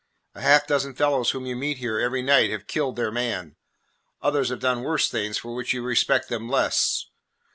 A half dozen fellows whom you meet here every night have killed their man. Others have done worse things for which you respect them less.